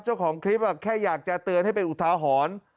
เจ้าของคลิปแค่อยากจะเตือนให้เป็นอุทาหรณ์